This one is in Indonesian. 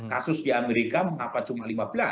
kasus di amerika mengapa cuma lima belas